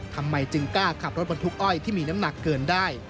ทำไมจึงกล้าขับรถบรรทุกอ้อยที่มีน้ำหนักเกินได้